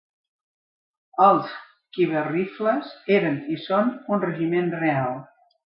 Els Khyber Rifles eren i són un regiment real.